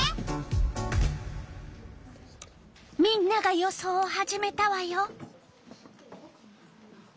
みんなが予想を始めたわよ！